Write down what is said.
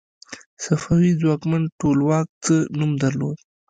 صفوي ځواکمن ټولواک څه نوم درلود؟